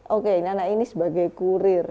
oke anak ini sebagai kurir